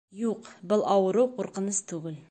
Юҡ, был ауырыу ҡурҡыныс түгел